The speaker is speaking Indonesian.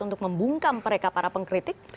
untuk membungkam mereka para pengkritik